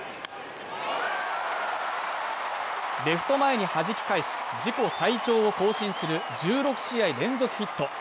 レフト前にはじき返し自己最長を更新する１６試合連続ヒット。